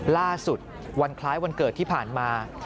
ล่าสุดวันคล้ายวันเกิดที่ผ่านมา